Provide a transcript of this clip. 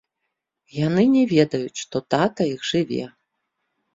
Яны не ведаюць, што тата іх жыве.